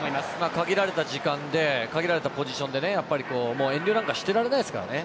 限られた時間で限られたポジションで遠慮なんかしていられないですからね。